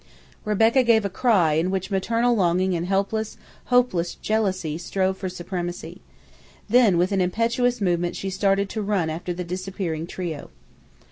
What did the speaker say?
Rebecca gave a cry in which maternal longing and helpless, hopeless jealousy strove for supremacy. Then, with an impetuous movement she started to run after the disappearing trio.